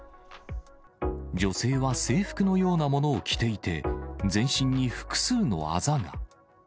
女性は制服のようなものを着ていて、全身に複数のあざが。